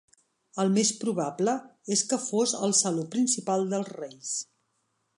El més probable és que fos el saló principal dels reis.